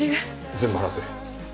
全部話せ。